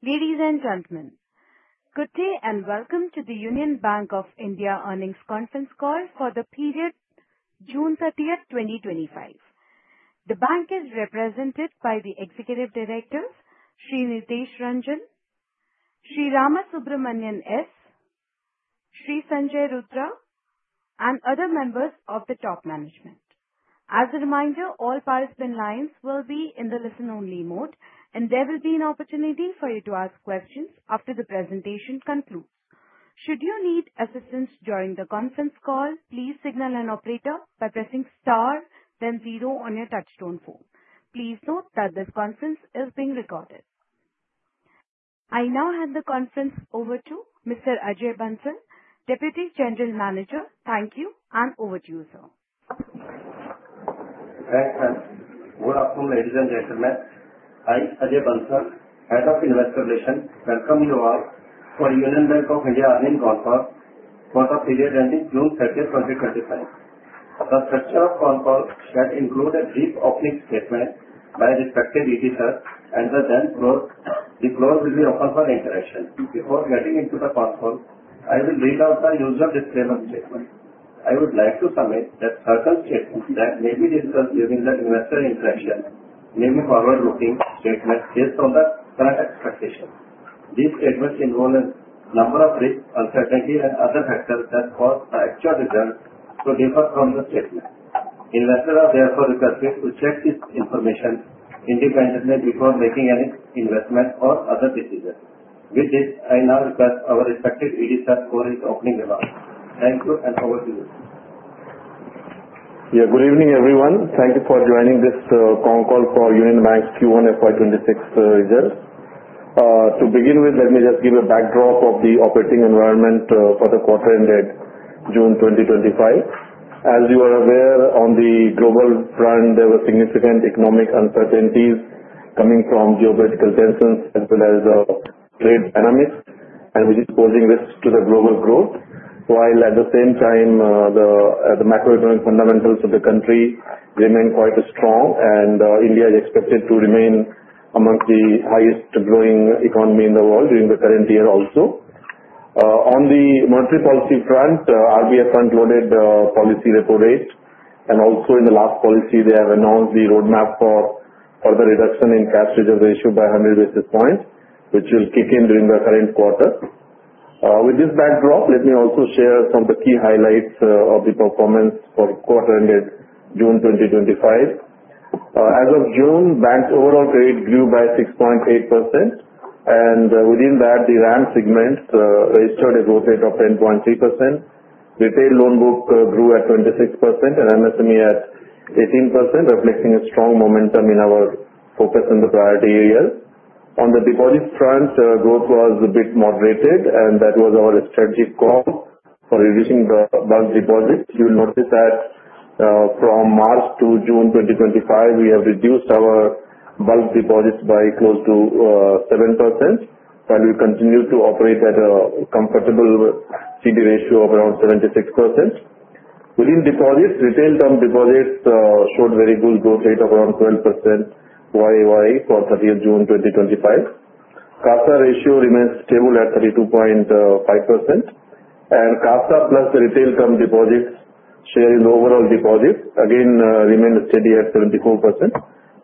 Ladies and gentlemen, good day and welcome to the Union Bank of India Earnings Conference Call for the period June 30th, 2025. The bank is represented by the Executive Directors, Sri Nitesh Ranjan, Sri Ramasubramanian S., Sri Sanjay Rudra, and other members of the top management. As a reminder, all participant lines will be in the listen-only mode, and there will be an opportunity for you to ask questions after the presentation concludes. Should you need assistance during the conference call, please signal an operator by pressing star, then zero on your touch-tone phone. Please note that this conference is being recorded. I now hand the conference over to Mr. Ajay Bansal, Deputy General Manager. Thank you, and over to you, sir. Thanks, ma'am. Good afternoon, ladies and gentlemen. I'm Ajay Bansal, Head of Investor Relations. Welcome you all for the Union Bank of India Earnings Conference for the period ending June 30, 2025. The structure of the conference shall include a brief opening statement by the respective EDs and the floor. The floor will be open for interaction. Before getting into the conference, I will read out the usual disclaimer statement. I would like to submit that certain statements that may be discussed during the investor interaction may be forward-looking statements based on the current expectations. These statements involve a number of risks, uncertainties, and other factors that cause the actual results to differ from the statements. Investors are therefore requested to check this information independently before making any investment or other decisions. With this, I now request our respective EDs for his opening remarks. Thank you, and over to you. Yeah, good evening, everyone. Thank you for joining this conference call for Union Bank of India's Q1 FY2026 results. To begin with, let me just give a backdrop of the operating environment for the quarter-ended June 2025. As you are aware, on the global front, there were significant economic uncertainties coming from geopolitical tensions as well as trade dynamics, which is posing risks to the global growth. While at the same time, the macroeconomic fundamentals of the country remain quite strong, and India is expected to remain amongst the highest-growing economies in the world during the current year also. On the monetary policy front, RBI front-loaded policy repo rate, and also in the last policy, they have announced the roadmap for further reduction in cash reserve ratio by 100 basis points, which will kick in during the current quarter. With this backdrop, let me also share some of the key highlights of the performance for quarter-ended June 2025. As of June, banks' overall credit grew by 6.8%, and within that, the RAM segment registered a growth rate of 10.3%. Retail loan book grew at 26% and MSME at 18%, reflecting a strong momentum in our focus in the priority areas. On the deposits front, growth was a bit moderated, and that was our strategic goal for reducing the bulk deposits. You'll notice that from March to June 2025, we have reduced our bulk deposits by close to 7%, while we continue to operate at a comfortable CD ratio of around 76%. Within deposits, retail term deposits showed very good growth rate of around 12% YoY for the year June 2025. CASA ratio remains stable at 32.5%, and CASA plus the retail term deposits share in the overall deposit again remained steady at 74%.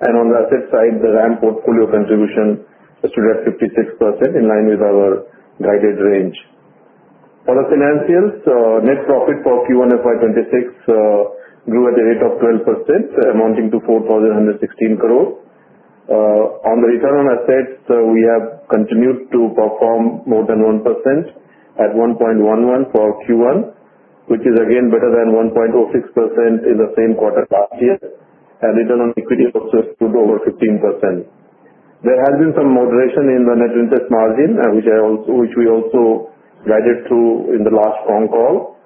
On the asset side, the RAM portfolio contribution stood at 56%, in line with our guided range. For the financials, net profit for Q1 FY2026 grew at a rate of 12%, amounting to 4,116 crores. On the return on assets, we have continued to perform more than 1% at 1.11% for Q1, which is again better than 1.06% in the same quarter last year, and return on equity also stood over 15%. There has been some moderation in the net interest margin, which we also guided through in the last phone call.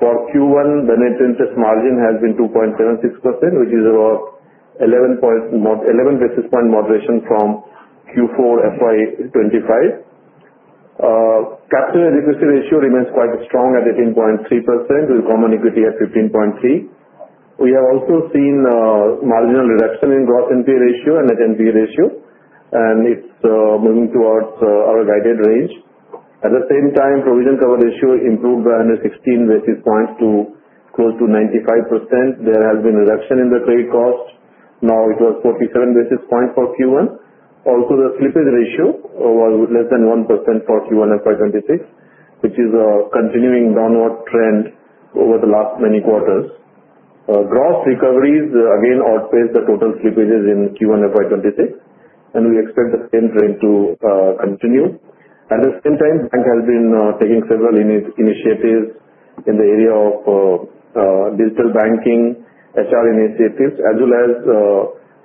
For Q1, the net interest margin has been 2.76%, which is about 11 basis points moderation from Q4 FY2025. Capital Adequacy Ratio remains quite strong at 18.3%, with common equity at 15.3%. We have also seen marginal reduction in gross NPA ratio and net NPA ratio, and it's moving towards our guided range. At the same time, provision cover ratio improved by 116 basis points to close to 95%. There has been a reduction in the credit cost. Now it was 47 basis points for Q1. Also, the slippage ratio was less than 1% for Q1 FY2026, which is a continuing downward trend over the last many quarters. Gross recoveries again outpaced the total slippages in Q1 FY2026, and we expect the same trend to continue. At the same time, the bank has been taking several initiatives in the area of digital banking, HR initiatives, as well as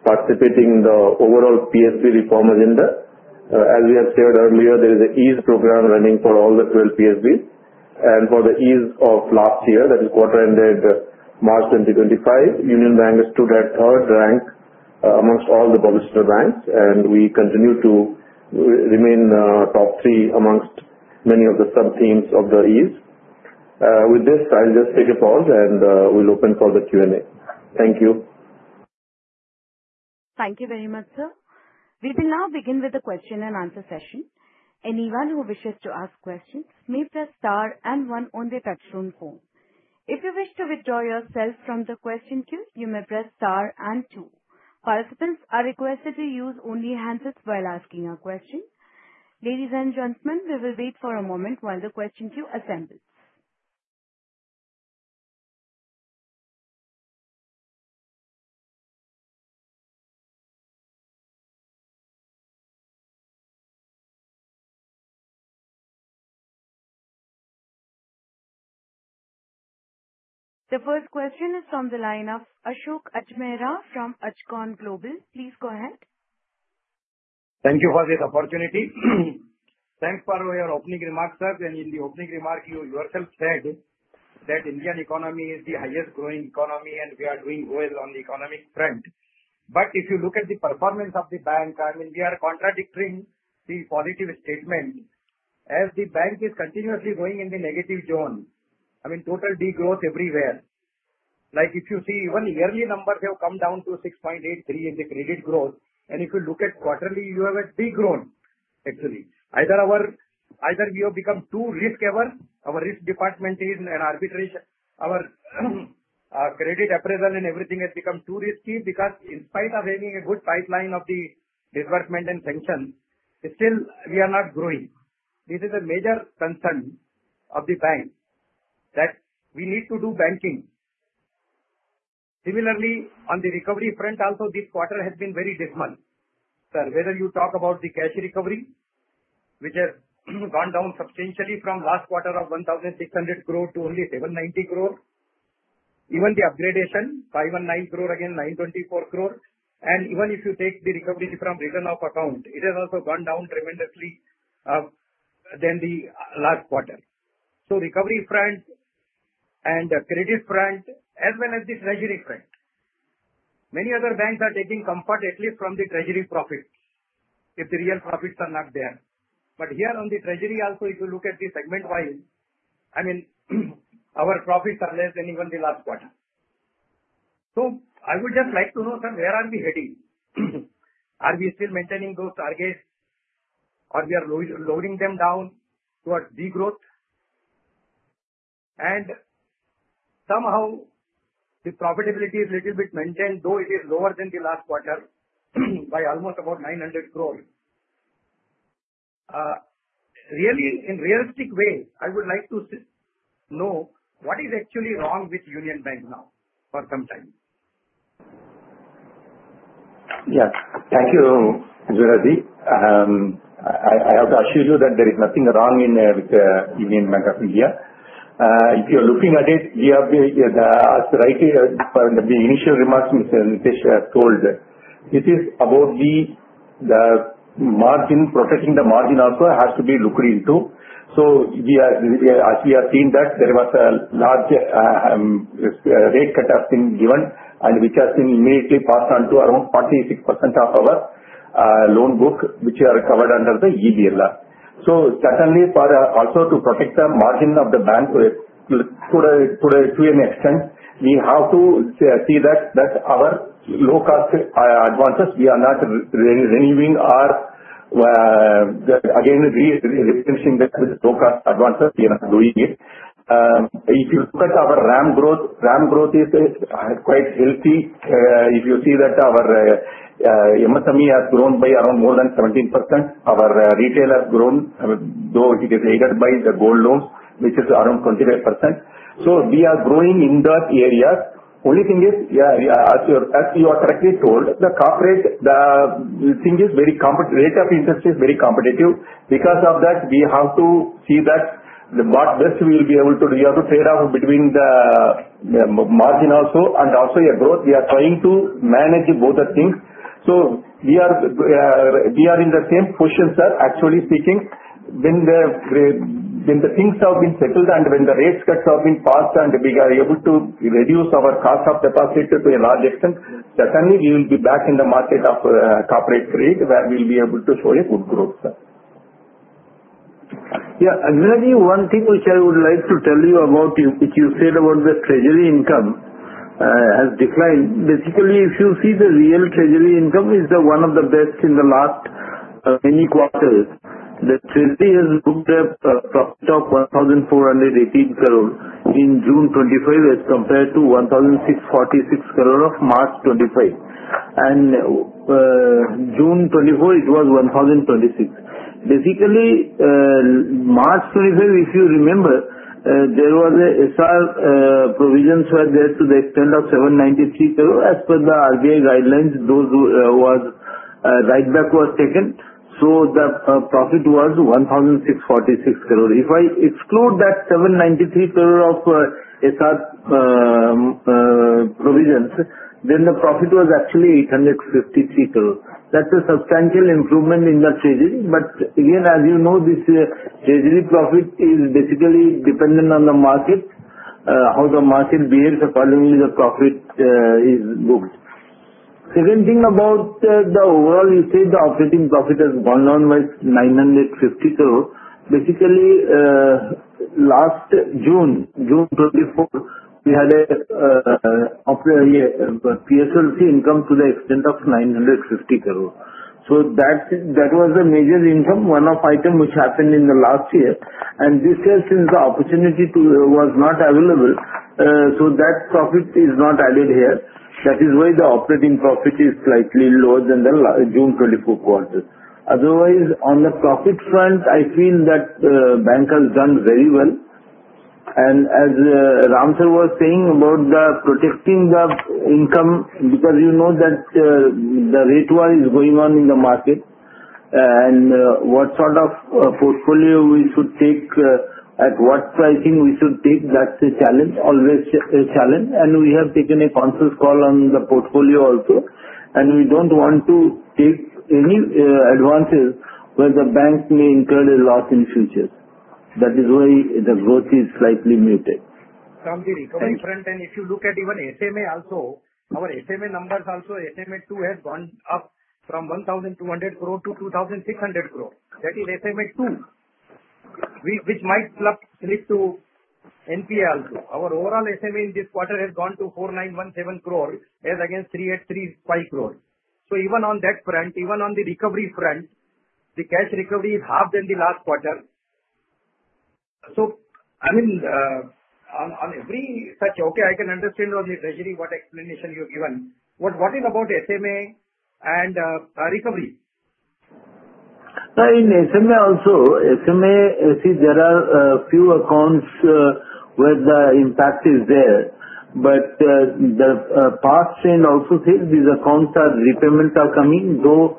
participating in the overall PSB reform agenda. As we have shared earlier, there is an EASE program running for all the 12 PSBs. And for the EASE of last year, that is quarter-ended March 2025, Union Bank stood at third rank amongst all the public sector banks, and we continue to remain top three amongst many of the sub-themes of the EASE. With this, I'll just take a pause, and we'll open for the Q&A. Thank you. Thank you very much, sir. We will now begin with the question and answer session. Anyone who wishes to ask questions may press star and one on their touch-tone phone. If you wish to withdraw yourself from the question queue, you may press star and two. Participants are requested to use only handsets while asking a question. Ladies and gentlemen, we will wait for a moment while the question queue assembles. The first question is from the line of Ashok Ajmera from Ajcon Global. Please go ahead. Thank you for this opportunity. Thanks for your opening remarks, sir, and in the opening remark, you yourself said that the Indian economy is the highest-growing economy, and we are doing well on the economic front, but if you look at the performance of the bank, I mean, we are contradicting the positive statement as the bank is continuously going in the negative zone. I mean, total degrowth everywhere. Like if you see, even yearly numbers have come down to 6.83% in the credit growth, and if you look at quarterly, you have a degrowth, actually. Either we have become too risk-averse. Our risk department is an arbitration. Our credit appraisal and everything has become too risky because in spite of having a good pipeline of the disbursement and sanctions, still we are not growing. This is a major concern of the bank that we need to do banking. Similarly, on the recovery front, also this quarter has been very dismal. Sir, whether you talk about the cash recovery, which has gone down substantially from last quarter of 1,600 crore to only 790 crore, even the upgradation 519 crore, again 924 crore, and even if you take the recovery from written-off account, it has also gone down tremendously than the last quarter, so recovery front and credit front, as well as the treasury front, many other banks are taking comfort at least from the treasury profits if the real profits are not there, but here on the treasury, also if you look at the segment-wise, I mean, our profits are less than even the last quarter, so I would just like to know, sir, where are we heading? Are we still maintaining those targets, or we are lowering them down towards degrowth? And somehow the profitability is a little bit maintained, though it is lower than the last quarter by almost about 900 crore. Really, in realistic ways, I would like to know what is actually wrong with Union Bank now for some time. Yes, thank you, Ajmeraji. I have to assure you that there is nothing wrong with the Union Bank of India. If you're looking at it, we have been asked right for the initial remarks Mr. Nitesh told. It is about the margin. Protecting the margin also has to be looked into. So as we have seen that there was a large rate cut has been given, and which has been immediately passed on to around 46% of our loan book, which are covered under the EBLR. So certainly for also to protect the margin of the bank, to an extent, we have to see that our low-cost advances, we are not renewing or again replenishing that with low-cost advances. We are not doing it. If you look at our RAM growth, RAM growth is quite healthy. If you see that our MSME has grown by around more than 17%, our retail has grown, though it is aided by the gold loans, which is around 25%. So we are growing in those areas. Only thing is, as you are correctly told, the corporate thing is very competitive. Rate of interest is very competitive. Because of that, we have to see that what best we will be able to do. We have to trade off between the margin also and also your growth. We are trying to manage both the things. So we are in the same position, sir, actually speaking. When the things have been settled and when the rate cuts have been passed and we are able to reduce our cost of deposit to a large extent, certainly we will be back in the market of corporate trade, where we will be able to show a good growth, sir. Yeah, one thing which I would like to tell you about, which you said about the treasury income has declined. Basically, if you see the real treasury income is one of the best in the last many quarters. The treasury has booked a profit of INR 1,418 crore in June 2025 as compared to 1,646 crore of March 2025. And June 2024, it was 1,026. Basically, March 2025, if you remember, there was an SR provisions were there to the extent of 793 crore. As per the RBI guidelines, those was written back was taken. So the profit was 1,646 crore. If I exclude that 793 crore of SR provisions, then the profit was actually 853 crore. That's a substantial improvement in the treasury. But again, as you know, this treasury profit is basically dependent on the market, how the market behaves accordingly the profit is booked. Second thing about the overall, you said the operating profit has gone down by 950 crore. Basically, last June, June 24, we had a PSLC income to the extent of 950 crore. So that was the major income, one of items which happened in the last year. And this year since the opportunity was not available, so that profit is not added here. That is why the operating profit is slightly lower than the June 24 quarter. Otherwise, on the profit front, I feel that the bank has done very well. As Ram Sir was saying about protecting the income, because you know that the rate war is going on in the market, and what sort of portfolio we should take, at what pricing we should take, that's a challenge, always a challenge. We have taken a conscious call on the portfolio also. We don't want to take any advances where the bank may incur a loss in futures. That is why the growth is slightly muted. [inaudible] if you look at even SMA also, our SMA numbers also, SMA 2 has gone up from 1,200 crore to 2,600 crore. That is SMA 2, which might slip to NPA also. Our overall SMA in this quarter has gone to 4,917 crore as against 3,835 crore. So even on that front, even on the recovery front, the cash recovery is half than the last quarter. So I mean, on every such, okay, I can understand on the treasury what explanation you have given. What is about SMA and recovery? In SMA also, SMA, I see there are a few accounts where the impact is there. But the past trend also says these accounts are repayments are coming, though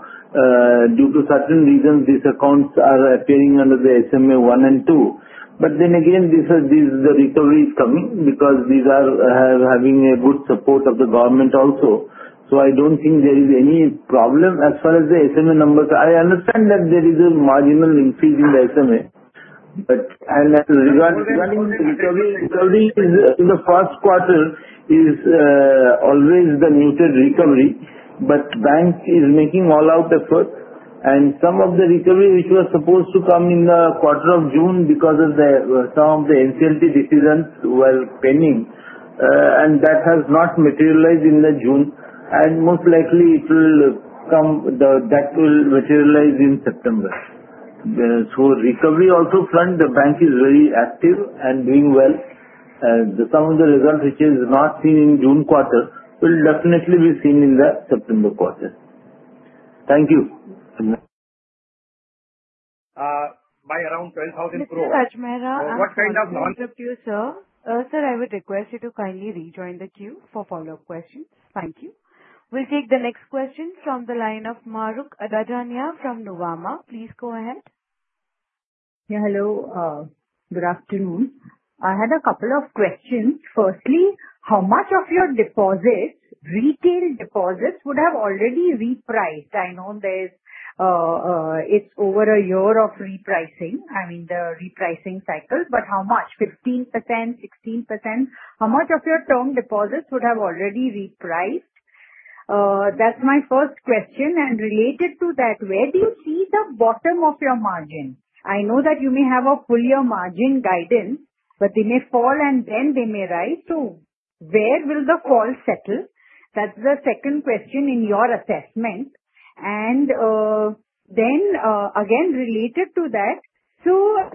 due to certain reasons, these accounts are appearing under the SMA 1 and 2. But then again, this is the recovery is coming because these are having a good support of the government also. So I don't think there is any problem as far as the SMA numbers. I understand that there is a marginal increase in the SMA. But regarding the recovery, recovery in the Q1 is always the muted recovery. But bank is making all-out effort. And some of the recovery, which was supposed to come in the quarter of June because of some of the NCLT decisions were pending, and that has not materialized in the June. And most likely it will come, that will materialize in September. So recovery also front, the bank is very active and doing well. Some of the results, which is not seen in June quarter, will definitely be seen in the September quarter. Thank you. By around 12,000 crore. Thank you, Ajmera. What kind of? To you, sir. Sir, I would request you to kindly rejoin the queue for follow-up questions. Thank you. We'll take the next question from the line of Mahrukh Adajania from Nuvama. Please go ahead. Yeah, hello. Good afternoon. I had a couple of questions. Firstly, how much of your deposits, retail deposits, would have already repriced? I know there's, it's over a year of repricing, I mean, the repricing cycle. But how much? 15%, 16%? How much of your term deposits would have already repriced? That's my first question. And related to that, where do you see the bottom of your margin? I know that you may have a full year margin guidance, but they may fall and then they may rise. So where will the fall settle? That's the second question in your assessment. And then again, related to that, so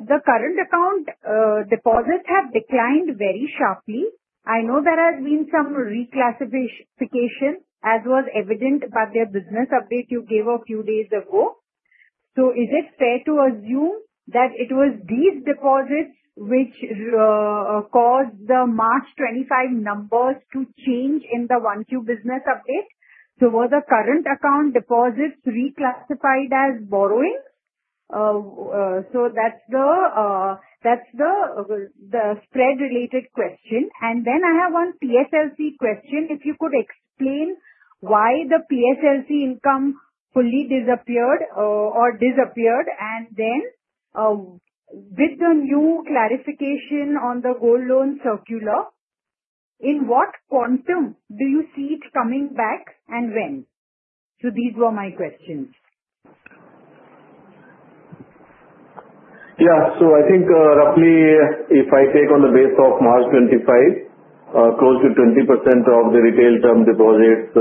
the current account deposits have declined very sharply. I know there has been some reclassification as was evident by the business update you gave a few days ago. So is it fair to assume that it was these deposits which caused the March 25 numbers to change in the one Q business update? So were the current account deposits reclassified as borrowing? So that's the spread-related question. And then I have one PSLC question. If you could explain why the PSLC income fully disappeared or disappeared, and then with the new clarification on the gold loan circular, in what quantum do you see it coming back and when? So these were my questions. Yeah, so I think roughly if I take on the base of March 2025, close to 20% of the retail term deposits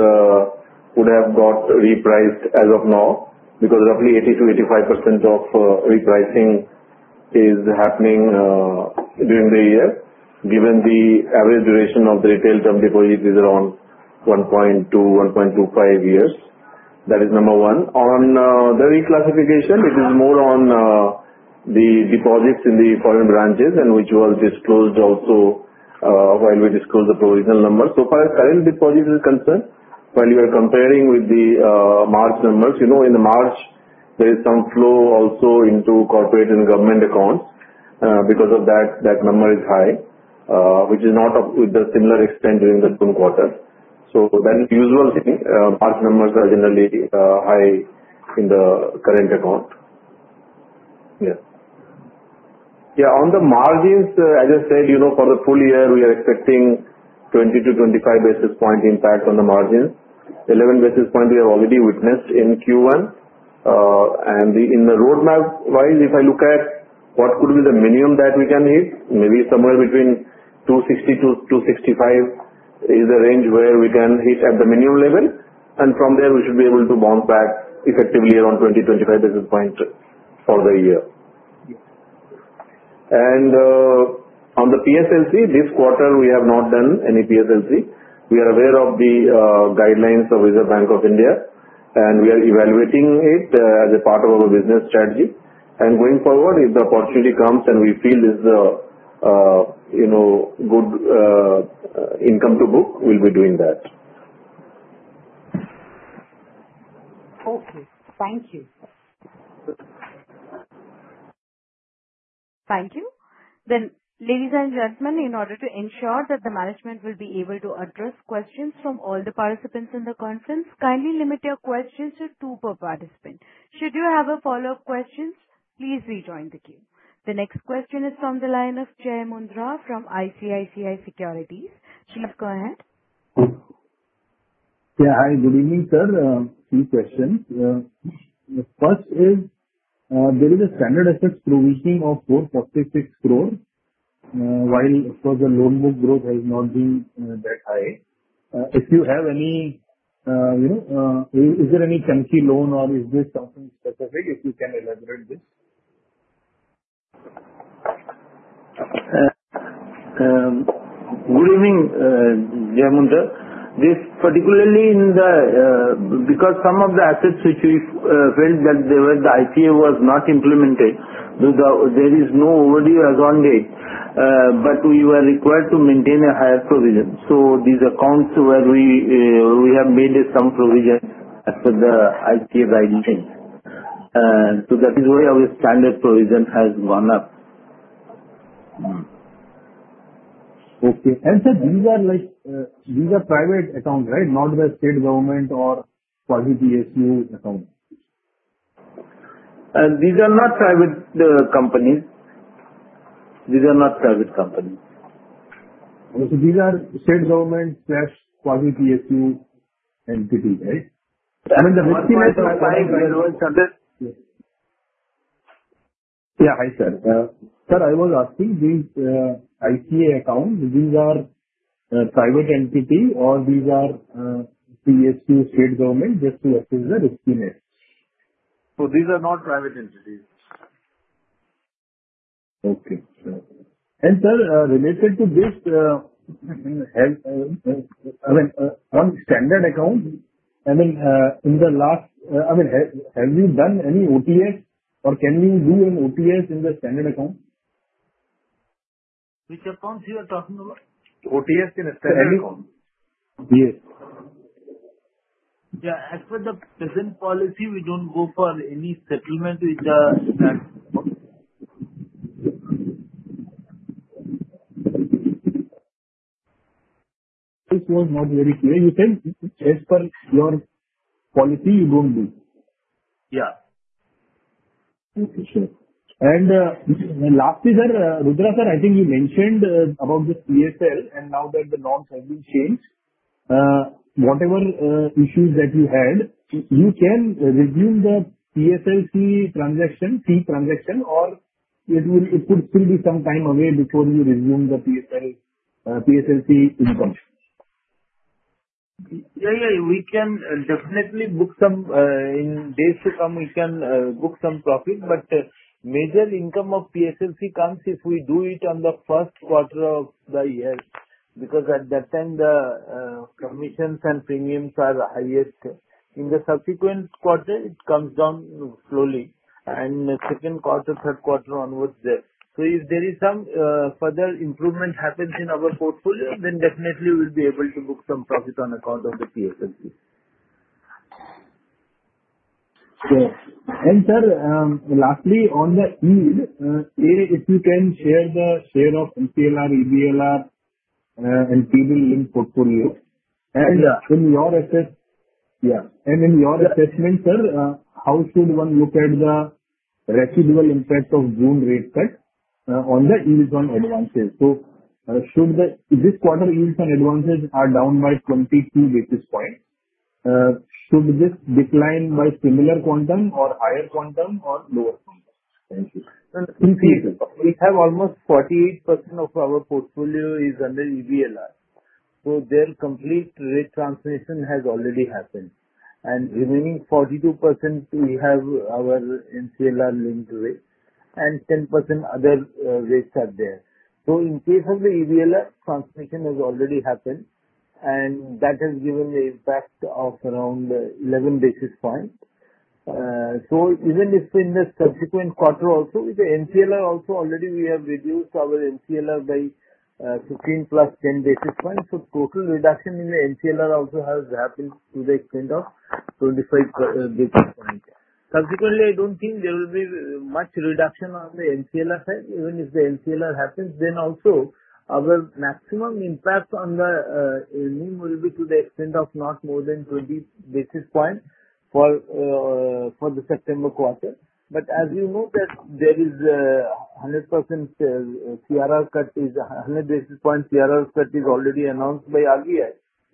would have got repriced as of now because roughly 80%-85% of repricing is happening during the year. Given the average duration of the retail term deposit is around 1.2, 1.25 years. That is number one. On the reclassification, it is more on the deposits in the foreign branches and which was disclosed also while we disclose the provisional numbers. So far as current deposits are concerned, while you are comparing with the March numbers, you know in the March, there is some flow also into corporate and government accounts. Because of that, that number is high, which is not with the similar extent during the June quarter. So that is the usual thing. March numbers are generally high in the current account. Yeah. Yeah, on the margins, as I said, for the full year, we are expecting 20-25 basis point impact on the margins. 11 basis point we have already witnessed in Q1. And in the roadmap-wise, if I look at what could be the minimum that we can hit, maybe somewhere between 260-265 is the range where we can hit at the minimum level. And from there, we should be able to bounce back effectively around 20, 25 basis point for the year. And on the PSLC, this quarter we have not done any PSLC. We are aware of the guidelines of Reserve Bank of India, and we are evaluating it as a part of our business strategy. And going forward, if the opportunity comes and we feel is a good income to book, we'll be doing that. Okay. Thank you. Thank you. Then, ladies and gentlemen, in order to ensure that the management will be able to address questions from all the participants in the conference, kindly limit your questions to two per participant. Should you have a follow-up question, please rejoin the queue. The next question is from the line of Jai Mundhra from ICICI Securities. Please go ahead. Yeah, hi. Good evening, sir. A few questions. The first is, there is a standard assets provisioning of 446 crore, while of course the loan book growth has not been that high. If you have any, is there any chunky loan or is this something specific? If you can elaborate this. Good evening, Jai Mundhra. This particularly in the because some of the assets which we felt that the ICA was not implemented, there is no overdue as on date. But we were required to maintain a higher provision. So these accounts where we have made some provision after the ICA guidelines. So that is why our standard provision has gone up. Okay. And sir, these are private accounts, right? Not the state government or Quasi-PSU accounts? These are not private companies. So these are state government/Quasi-PSU entities, right? I mean, the risk in it is high. Yes. Yeah, hi sir. Sir, I was asking these ICA accounts, these are private entities or these are PSU state government just to assess the riskiness? These are not private entities. Okay. And sir, related to this, I mean, on standard accounts, I mean, in the last, I mean, have you done any OTS or can you do an OTS in the standard account? Which accounts you are talking about? OTS in a standard account. Yes. Yeah, as per the present policy, we don't go for any settlement with that. This was not very clear. You said as per your policy, you don't do. Yeah. Okay, sure. Lastly, sir, Rudra sir, I think you mentioned about the PSL and now that the norms have been changed, whatever issues that you had, you can resume the PSLC transaction, fee transaction, or it could still be some time away before you resume the PSLC income? Yeah, yeah, we can definitely book some in days to come, we can book some profit. But major income of PSLC comes if we do it on the Q1 of the year. Because at that time, the commissions and premiums are highest. In the subsequent quarter, it comes down slowly. And the Q2, Q3 onwards there. So if there is some further improvement happens in our portfolio, then definitely we'll be able to book some profit on account of the PSLC. Okay. And sir, lastly, on that field, if you can share the share of MCLR, EBLR, and TDL link portfolio. And in your assessment, sir, how should one look at the residual impact of June rate cut on the easing on advances? So should this quarter ease on advances are down by 22 basis points, should this decline by similar quantum or higher quantum or lower quantum? Thank you. Increases. We have almost 48% of our portfolio is under EBLR. So their complete rate transmission has already happened. And remaining 42%, we have our MCLR linked rate. And 10% other rates are there. So in case of the EBLR, transmission has already happened. And that has given the impact of around 11 basis points. So even if in the subsequent quarter also, with the MCLR also already we have reduced our MCLR by 15 plus 10 basis points. So total reduction in the MCLR also has happened to the extent of 25 basis points. Subsequently, I don't think there will be much reduction on the MCLR side. Even if the MCLR happens, then also our maximum impact on the NIM will be to the extent of not more than 20 basis points for the September quarter. But as you know, there is 100% CRR cut is 100 basis points. CRR cut is already announced by RBI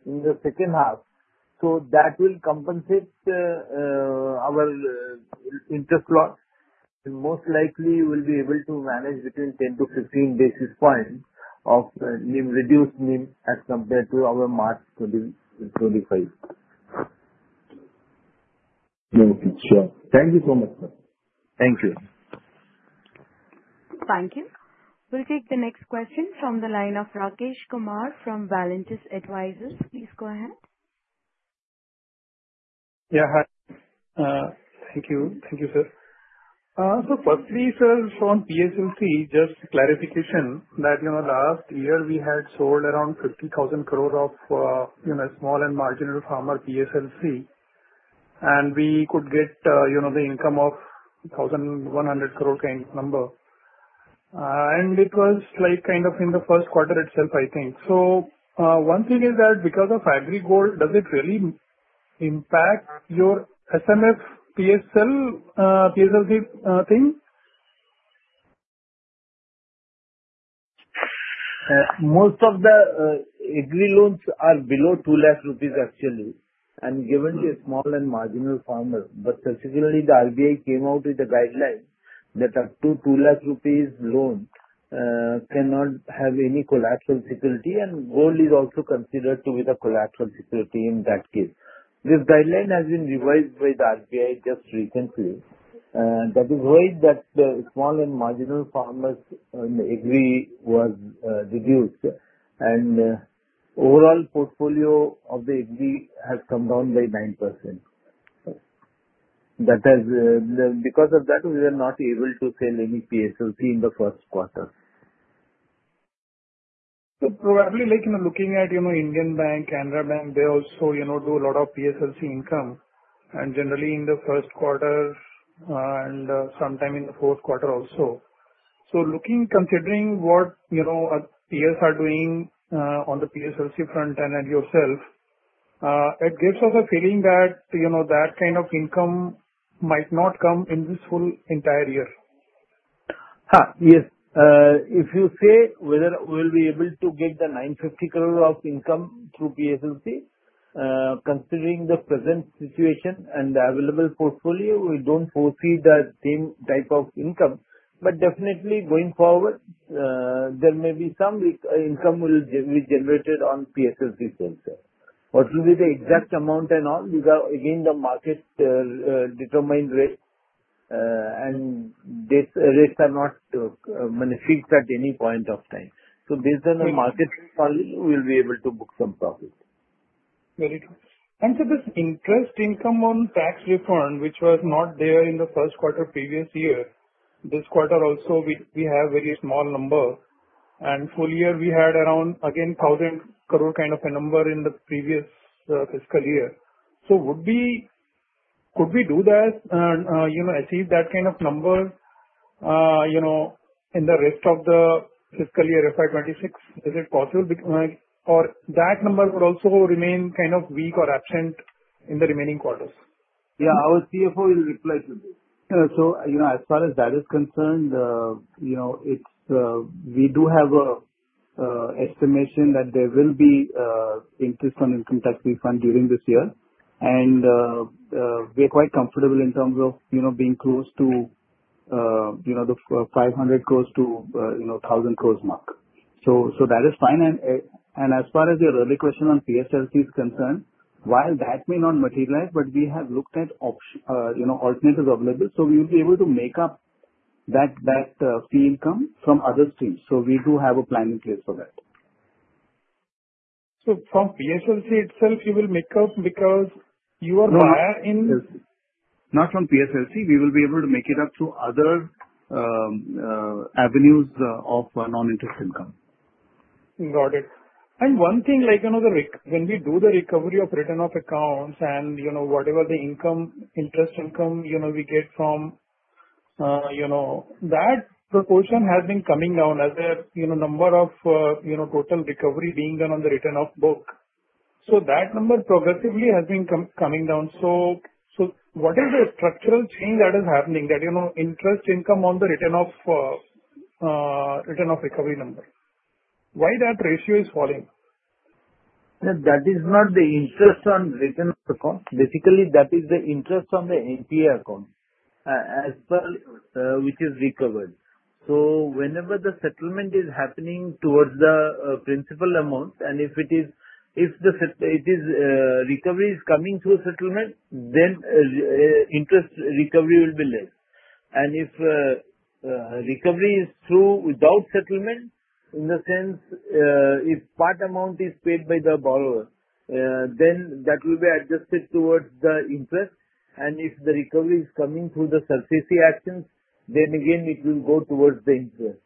in the H2. So that will compensate our interest loss. Most likely we'll be able to manage between 10 to 15 basis points of reduced NIM as compared to our March 2025. Okay, sure. Thank you so much, sir. Thank you. Thank you. We'll take the next question from the line of Rakesh Kumar from Valentis Advisors. Please go ahead. Yeah, hi. Thank you. Thank you, sir. So firstly, sir, on PSLC, just clarification that last year we had sold around 50,000 crore of small and marginal farmer PSLC. And we could get the income of 1,100 crore kind of number. And it was kind of in the Q1 itself, I think. So one thing is that because of agri gold, does it really impact your SMF PSLC thing? Most of the agri loans are below 2 lakh rupees actually, and given the small and marginal farmer, but particularly the RBI came out with a guideline that up to 2 lakh rupees loan cannot have any collateral security, and gold is also considered to be the collateral security in that case. This guideline has been revised by the RBI just recently. That is why that the small and marginal farmers' agri was reduced, and overall portfolio of the agri has come down by 9%. That has because of that, we were not able to sell any PSLC in the Q1. So probably looking at Indian Bank, Canara Bank, they also do a lot of PSLC income. And generally in the Q1 and sometime in the Q4 also. So looking, considering what peers are doing on the PSLC front and at yourself, it gives us a feeling that that kind of income might not come in this whole entire year. Ha, yes. If you say whether we'll be able to get the 950 crore of income through PSLC, considering the present situation and the available portfolio, we don't foresee the same type of income. But definitely going forward, there may be some income will be generated on PSLC sales. What will be the exact amount and all, these are again the market determined rates. And these rates are not fixed at any point of time. So based on the market, we'll be able to book some profit. Very good, and sir, this interest income on tax refund, which was not there in the Q1 previous year, this quarter also we have very small number, and full year we had around again 1,000 crore kind of a number in the previous fiscal year, so could we do that and achieve that kind of number in the rest of the fiscal year FY2026? Is it possible? Or that number could also remain kind of weak or absent in the remaining quarters? Yeah, our CFO will reply to this. So as far as that is concerned, we do have an estimation that there will be interest on income tax refund during this year. And we are quite comfortable in terms of being close to the 500 crore to 1,000 crore mark. So that is fine. And as far as your earlier question on PSLC is concerned, while that may not materialize, but we have looked at alternatives available. So we will be able to make up that fee income from other streams. So we do have a plan in place for that. From PSLC itself, you will make up because you are buyer in. Not from PSLC. We will be able to make it up through other avenues of non-interest income. Got it. And one thing, when we do the recovery of return of accounts and whatever the income, interest income we get from, that proportion has been coming down as a number of total recovery being done on the written-off book. So that number progressively has been coming down. So what is the structural change that is happening that interest income on the return of recovery number? Why that ratio is falling? That is not the interest on return of account. Basically, that is the interest on the NPA account as well, which is recovered. So whenever the settlement is happening towards the principal amount, and if recovery is coming through settlement, then interest recovery will be less. And if recovery is through without settlement, in the sense if part amount is paid by the borrower, then that will be adjusted towards the interest. And if the recovery is coming through the SARFAESI actions, then again it will go towards the interest.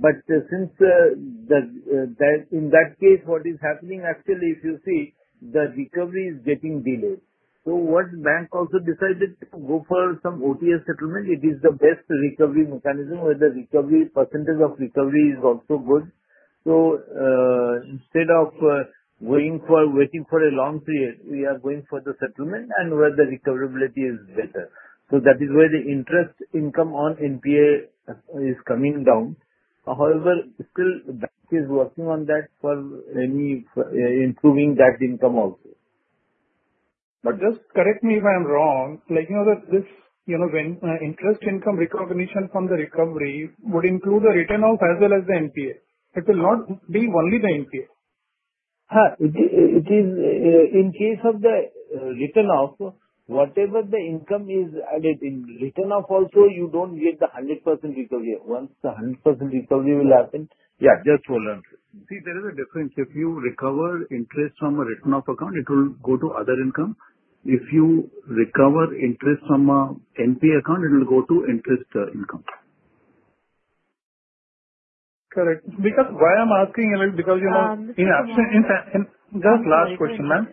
But since in that case, what is happening actually, if you see, the recovery is getting delayed. So the bank has also decided to go for some OTS settlement. It is the best recovery mechanism where the recovery percentage of recovery is also good. So instead of waiting for a long period, we are going for the settlement and where the recoverability is better. So that is where the interest income on NPA is coming down. However, still bank is working on that for improving that income also. But just correct me if I'm wrong. Like this interest income recognition from the recovery would include the return of as well as the NPA. It will not be only the NPA. Ha, it is. In case of the return of whatever the income is added in return of also, you don't get the 100% recovery. Once the 100% recovery will happen. Yeah, just hold on. See, there is a difference. If you recover interest from a running account, it will go to other income. If you recover interest from an NPA account, it will go to interest income. Correct. Because why I'm asking is because in [crosstlak]. Just last question, ma'am.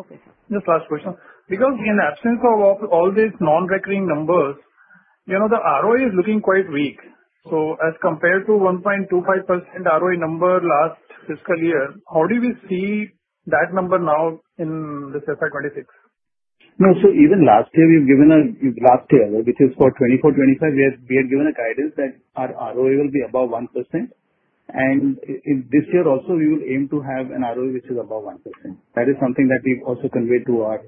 Okay, sir. Just last question. Because in absence of all these non-recurring numbers, the ROI is looking quite weak. So as compared to 1.25% ROI number last fiscal year, how do we see that number now in this FY2026? No, so even last year we've given a last year, which is for 24-25, we had given a guidance that our ROI will be above 1%. And this year also, we will aim to have an ROI which is above 1%. That is something that we've also conveyed to our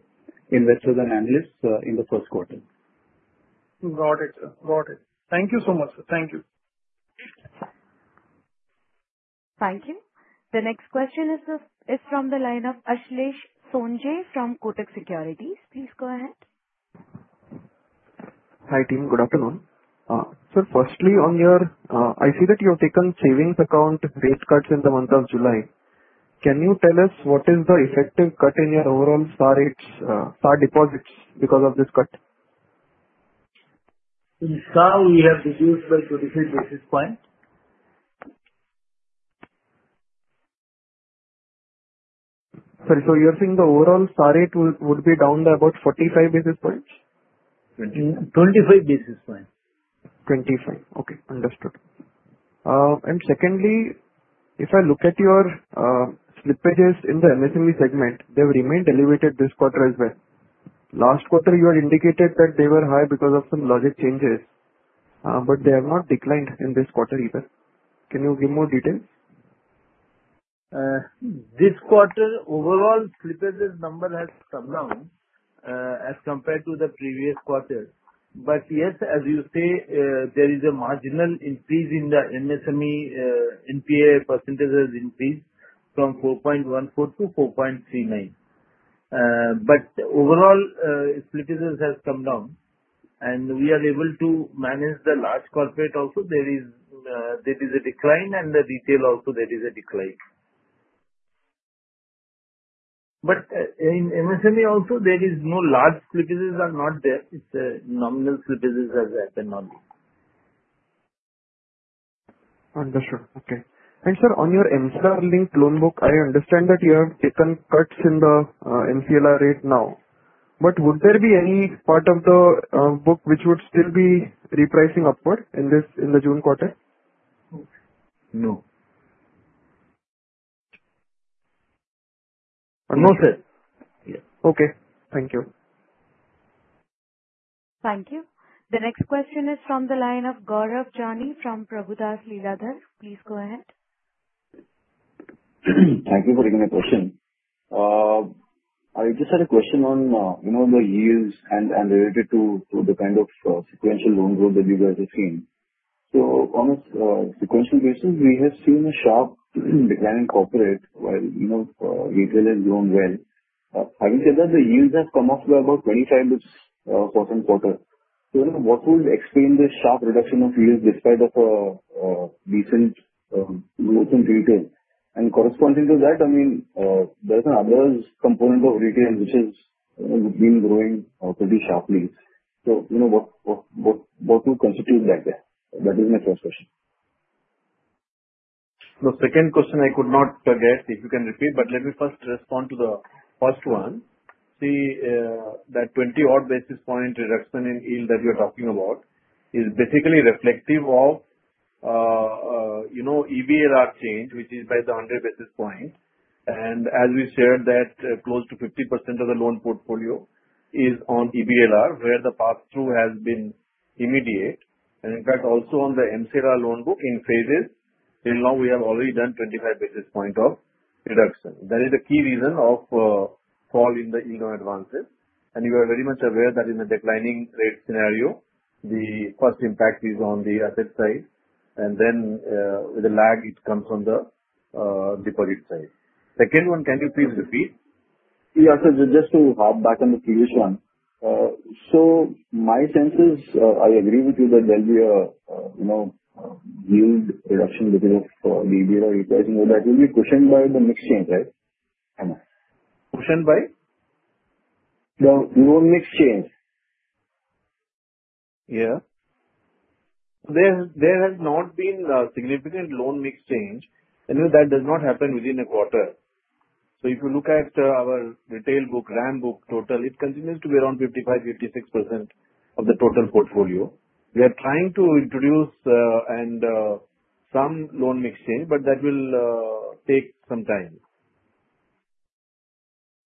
investors and analysts in the Q1. Got it. Got it. Thank you so much, sir. Thank you. Thank you. The next question is from the line of Ashlesh Sonje from Kotak Securities. Please go ahead. Hi team, good afternoon. Sir, firstly on your I see that you have taken savings account rate cuts in the month of July. Can you tell us what is the effective cut in your overall CASA deposits because of this cut? SA we have reduced by 25 basis points. Sorry, so you're saying the overall SA rate would be down by about 45 basis points? 25 basis points. 25. Okay, understood. And secondly, if I look at your slippages in the MSME segment, they have remained elevated this quarter as well. Last quarter, you had indicated that they were high because of some logic changes. But they have not declined in this quarter either. Can you give more details? This quarter, overall slippages number has come down as compared to the previous quarter. But yes, as you say, there is a marginal increase in the MSME NPA percentage has increased from 4.14% to 4.39%. But overall, slippages has come down. And we are able to manage the large corporate also. There is a decline and the retail also, there is a decline. But in MSME also, there is no large slippages are not there. It's nominal slippages has happened only. Understood. Okay, and sir, on your MCLR linked loan book, I understand that you have taken cuts in the MCLR rate now, but would there be any part of the book which would still be repricing upward in the June quarter? No. No, sir. Okay. Thank you. Thank you. The next question is from the line of Gaurav Jani from Prabhudas Lilladher. Please go ahead. Thank you for taking the question. I just had a question on the yields and related to the kind of sequential loan growth that you guys have seen. So on a sequential basis, we have seen a sharp decline in corporate while retail has grown well. Having said that, the yields have come off by about 25% quarter. So what would explain the sharp reduction of yields despite of a decent growth in retail? And corresponding to that, I mean, there's another component of retail which has been growing pretty sharply. So what would constitute that? That is my first question. The second question I could not forget, if you can repeat, but let me first respond to the first one. See that 20 odd basis points reduction in yield that you're talking about is basically reflective of EBLR change, which is by the 100 basis points. And as we shared that close to 50% of the loan portfolio is on EBLR, where the path through has been immediate. And in fact, also on the MCLR loan book in phases, till now we have already done 25 basis points of reduction. That is the key reason of fall in the yield on advances. And you are very much aware that in a declining rate scenario, the first impact is on the asset side. And then the lag comes from the deposit side. Second one, can you please repeat? Yeah, sir, just to hop back on the previous one. So my sense is I agree with you that there'll be a yield reduction because of the EBLR replacing. That will be cushioned by the MCLR change, right? Cushioned by? The loan mix change. Yeah. There has not been significant loan mix change, and that does not happen within a quarter. So if you look at our retail book, RAM book, total, it continues to be around 55-56% of the total portfolio. We are trying to introduce some loan mix change, but that will take some time.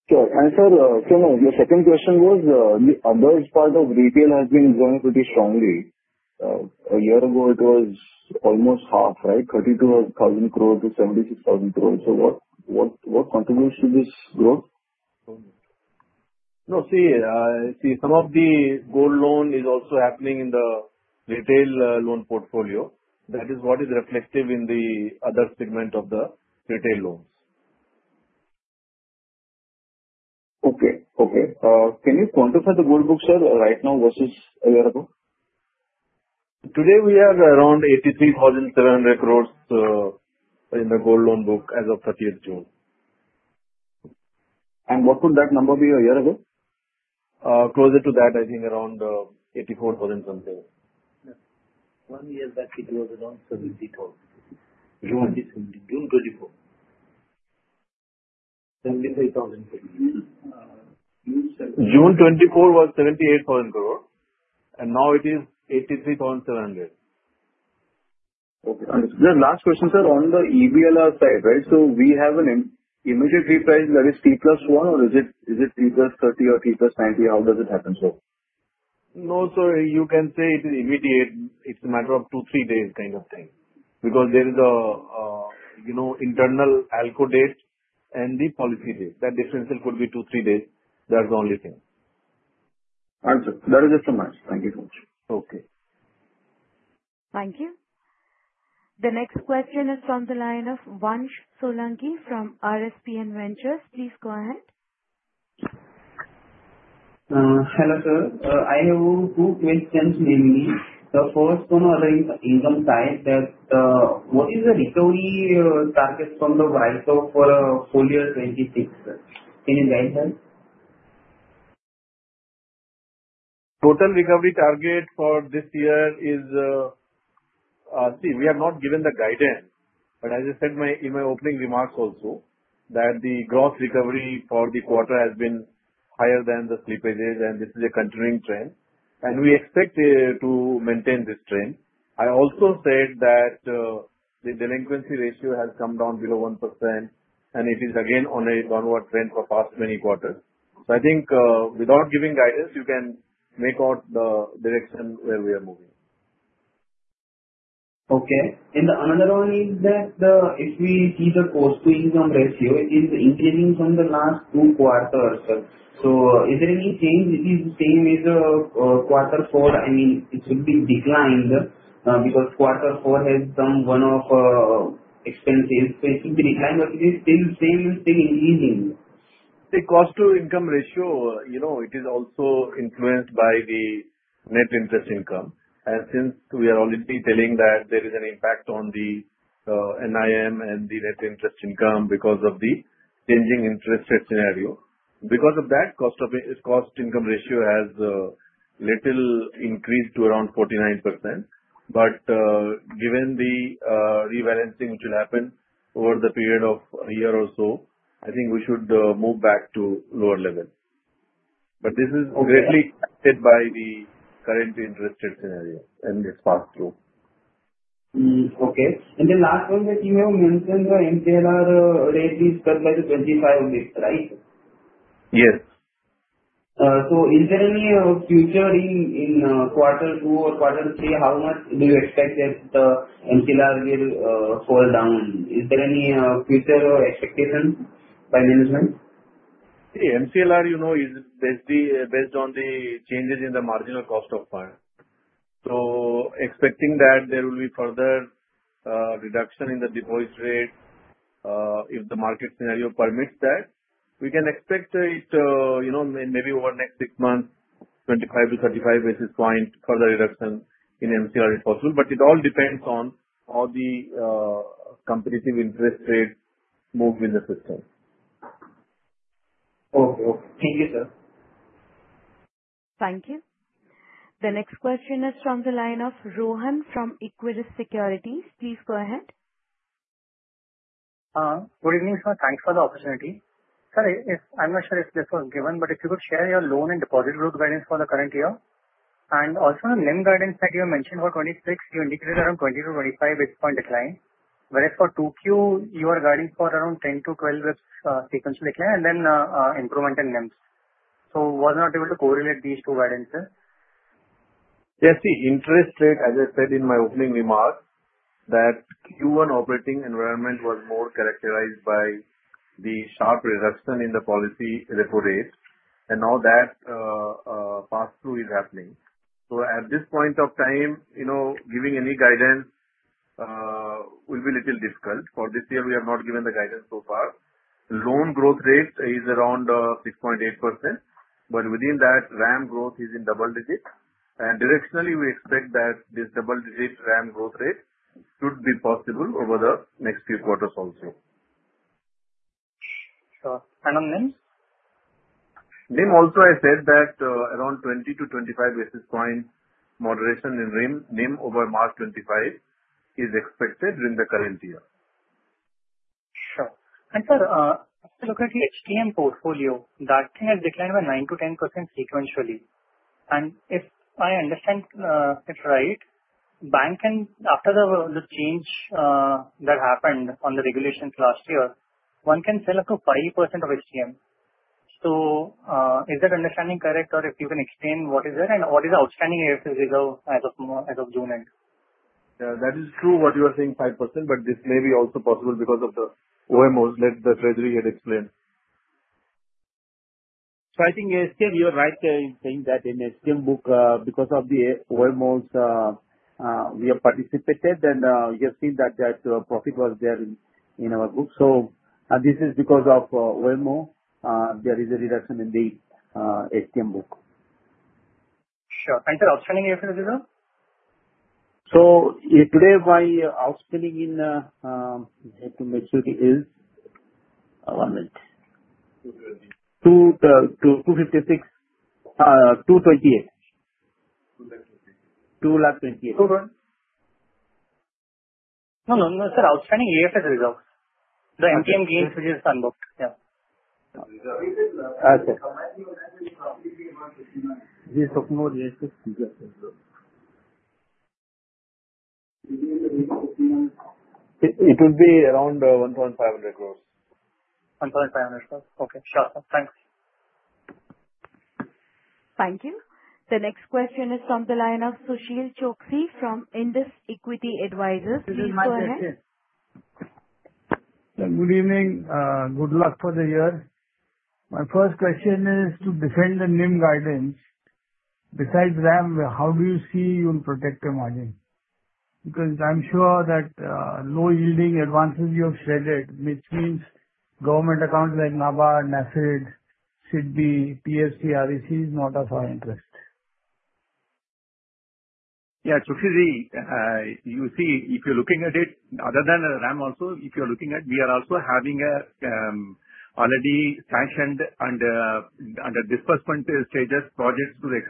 Sure. And sir, your second question was the other part of retail has been growing pretty strongly. A year ago, it was almost half, right? 32,000 crore - 76,000 crore. So what contributes to this growth? No, see, some of the gold loan is also happening in the retail loan portfolio. That is what is reflective in the other segment of the retail loans. Can you quantify the gold book, sir, right now versus a year ago? Today, we are around 83,700 crores in the gold loan book as of 30th June. What would that number be a year ago? Closer to that, I think around 84,000 something. One year back, it was around 70,000. June 24. 73,000. June 24 was 78,000 crore. And now it is 83,700. Okay. Last question, sir. On the EBLR side, right? So we have an immediate repricing. That is T plus 1 or is it T plus 30 or T plus 90? How does it happen so? No, sir. You can say it is immediate. It's a matter of two, three days kind of thing. Because there is an internal ALCO date and the policy date. That differential could be two, three days. That's the only thing. Understood. That is it from my side. Thank you so much. Okay. Thank you. The next question is from the line of Vansh Solanki from RSPN Ventures. Please go ahead. Hello, sir. I have two questions, mainly. The first one on the income side, what is the recovery target from the PSLC for full year 2026? Can you guide us? Total recovery target for this year is, we have not given the guidance but as I said in my opening remarks also, that the gross recovery for the quarter has been higher than the slippages and this is a continuing trend and we expect to maintain this trend. I also said that the delinquency ratio has come down below 1% and it is again on a downward trend for past many quarters, so I think without giving guidance, you can make out the direction where we are moving. Okay. And the other one is that if we see the cost to income ratio, it is increasing from the last two quarters. So is there any change? Is it the same as quarter four? I mean, it should be declined because quarter four has some one-off expenses. So it should be declined, but it is still the same and still increasing. The cost to income ratio, it is also influenced by the net interest income. And since we are already telling that there is an impact on the NIM and the net interest income because of the changing interest rate scenario. Because of that, cost to income ratio has little increased to around 49%. But given the rebalancing which will happen over the period of a year or so, I think we should move back to lower level. But this is greatly affected by the current interest rate scenario and its path through. Okay. And the last one that you have mentioned, the MCLR rate is cut by 25 basis points, right? Yes. So is there any future in quarter two or quarter three? How much do you expect that the MCLR will fall down? Is there any future expectation by management? See, MCLR is based on the changes in the marginal cost of funds. So expecting that there will be further reduction in the deposit rate if the market scenario permits that. We can expect it maybe over next six months, 25 to 35 basis points, further reduction in MCLR if possible. But it all depends on how the competitive interest rate move in the system. Okay. Thank you, sir. Thank you. The next question is from the line of Rohan from Equirus Securities. Please go ahead. Good evening, sir. Thanks for the opportunity. Sir, I'm not sure if this was given, but if you could share your loan and deposit growth guidance for the current year? And also on the NIM guidance that you have mentioned for 26, you indicated around 20 to 25 basis point decline. Whereas for 2Q, you are guiding for around 10 to 12 basis points sequential decline and then improvement in NIMs. So I was not able to correlate these two guidances. Yes, see, interest rate, as I said in my opening remarks, that Q1 operating environment was more characterized by the sharp reduction in the policy repo rate, and now that pass-through is happening, so at this point of time, giving any guidance will be a little difficult. For this year, we have not given the guidance so far. Loan growth rate is around 6.8%, but within that, RAM growth is in double digits, and directionally, we expect that this double-digit RAM growth rate should be possible over the next few quarters also. Sure. And on NIMs? NIM also, I said that around 20-25 basis point moderation in NIM over March 2025 is expected during the current year. Sure. And sir, if you look at the HTM portfolio, that can have declined by 9%-10% sequentially. And if I understand it right, after the change that happened on the regulations last year, one can sell up to 5% of HTM. So is that understanding correct? Or if you can explain what is there and what is the outstanding HTM as of June 8? That is true what you are saying, 5%. But this may be also possible because of the OMOs that the Treasury head explained. I think you are right in saying that in the HTM book, because of the OMOs, we have participated and we have seen that that profit was there in our book. This is because of OMO. There is a reduction in the HTM book. Sure. And sir, outstanding year for the result? Today, my outstanding year I have to make sure it is one minute. 256, 228. 228. Hold on. No, no, no, sir. Outstanding year for the results. The MTM gains. [inaudible] It will be around 1,500 crores. 1,500 crores. Okay. Sure. Thanks. Thank you. The next question is from the line of Sushil Choksey from Indus Equity Advisors. Good evening, sir. Good evening. Good luck for the year. My first question is to defend the NIM guidance. Besides RAM, how do you see you will protect your margin? Because I'm sure that low-yielding advances you have shredded, which means government accounts like NABARD, SIDBI, PFC, REC is not of our interest. Yeah. You see, if you're looking at it, other than RAM also, if you're looking at, we are also having already sanctioned under disbursement stages projects to the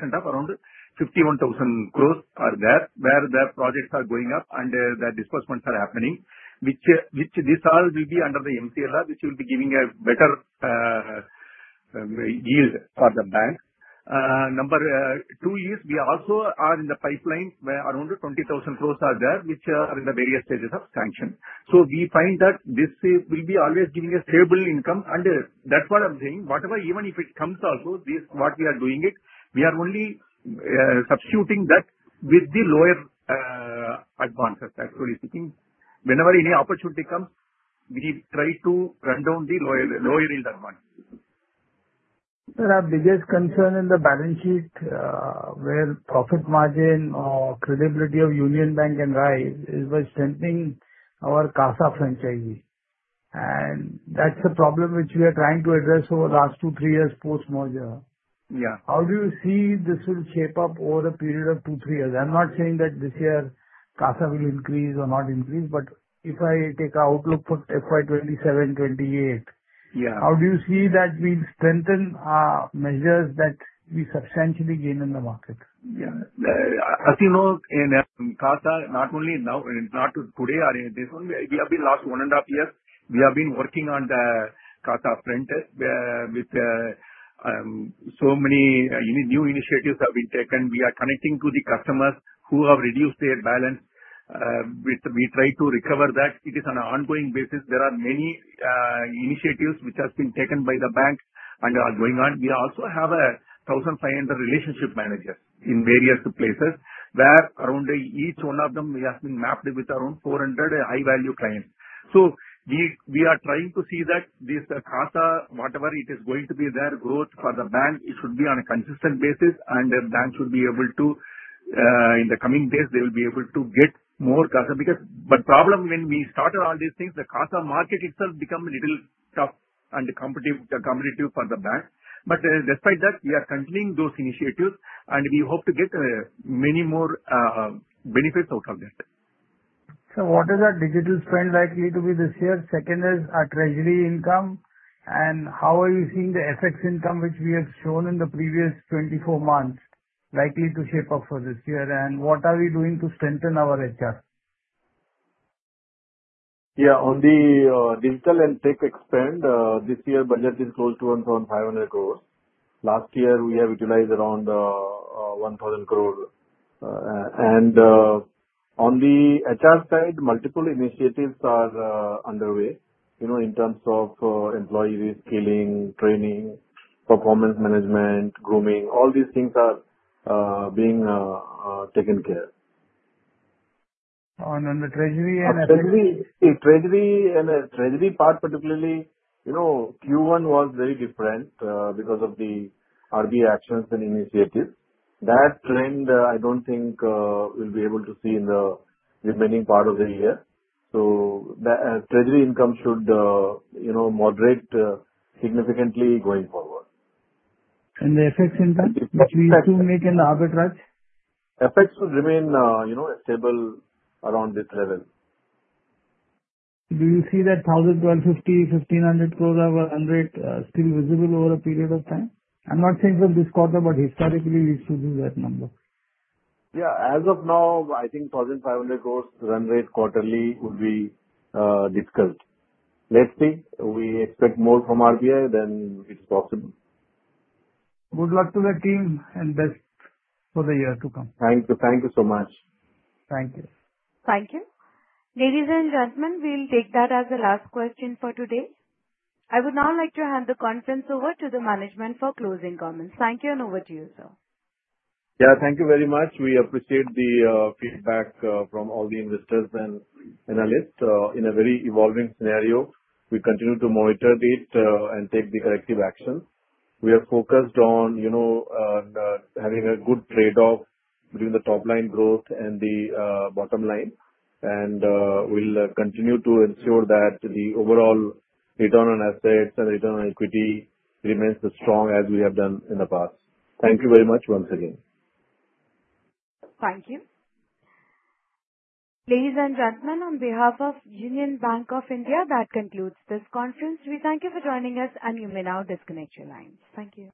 extent of around 51,000 crores are there, where the projects are going up and the disbursements are happening, which this all will be under the MCLR, which will be giving a better yield for the bank. Number two is we also are in the pipeline where around 20,000 crores are there, which are in the various stages of sanction. So we find that this will be always giving a stable income. And that's what I'm saying. Whatever, even if it comes also, what we are doing it, we are only substituting that with the lower advances, actually speaking. Whenever any opportunity comes, we try to run down the lower yield advance. Sir, our biggest concern in the balance sheet where profit margin or credibility of Union Bank and rise is by strengthening our CASA franchise. And that's the problem which we are trying to address over the last two, three years post-merger. How do you see this will shape up over a period of two, three years? I'm not saying that this year CASA will increase or not increase, but if I take an outlook for FY 2027, 2028, how do you see that we strengthen our measures that we substantially gain in the market? Yeah. As you know, in CASA, not only now, not today, this one we have been last one and a half years, we have been working on the CASA frontier with so many new initiatives have been taken. We are connecting to the customers who have reduced their balance. We try to recover that. It is on an ongoing basis. There are many initiatives which have been taken by the bank and are going on. We also have 1,500 relationship managers in various places where around each one of them we have been mapped with around 400 high-value clients. So, we are trying to see that this CASA, whatever it is going to be, their growth for the bank, it should be on a consistent basis and the bank should be able to, in the coming days, they will be able to get more CASA because the problem when we started all these things, the CASA market itself became a little tough and competitive for the bank. But despite that, we are continuing those initiatives and we hope to get many more benefits out of that. So what is our digital spend likely to be this year? Second is our treasury income. And how are you seeing the FX income which we have shown in the previous 24 months likely to shape up for this year? And what are we doing to strengthen our HR? Yeah. On the digital and tech spend, this year budget is close to 1,500 crores. Last year, we have utilized around 1,000 crores. On the HR side, multiple initiatives are underway in terms of employee reskilling, training, performance management, grooming. All these things are being taken care. On the treasury and. Treasury part, particularly, Q1 was very different because of the RBI actions and initiatives. That trend, I don't think we'll be able to see in the remaining part of the year. So treasury income should moderate significantly going forward. The FX income? Which we used to make in the arbitrage? FX should remain stable around this level. Do you see that 1,250 crores, 1,500 crores of run rate still visible over a period of time? I'm not saying from this quarter, but historically, we used to do that number. Yeah. As of now, I think 1,500 crores run rate quarterly would be difficult. Let's see. We expect more from RBI than it's possible. Good luck to the team and best for the year to come. Thank you. Thank you so much. Thank you. Thank you. Ladies and gentlemen, we'll take that as the last question for today. I would now like to hand the conference over to the management for closing comments. Thank you and over to you, sir. Yeah. Thank you very much. We appreciate the feedback from all the investors and analysts. In a very evolving scenario, we continue to monitor it and take the corrective action. We are focused on having a good trade-off between the top-line growth and the bottom line, and we'll continue to ensure that the overall return on assets and return on equity remains strong as we have done in the past. Thank you very much once again. Thank you. Ladies and gentlemen, on behalf of Union Bank of India, that concludes this conference. We thank you for joining us and you may now disconnect your lines. Thank you.